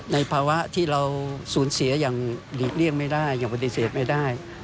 ในภาวะที่เราสูญเสียอย่างหลีกเลี่ยงไม่ได้อย่างปฏิเสธไม่ได้